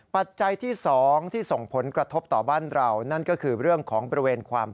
ปัจจัยที่๒ที่ส่งผลกระทบต่อบ้านเรา